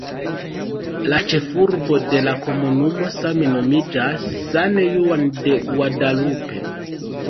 La ĉefurbo de la komunumo same nomiĝas "San Juan de Guadalupe".